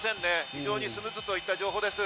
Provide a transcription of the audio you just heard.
非常にスムーズといった状況です。